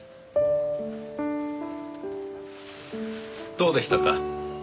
どうでしたか？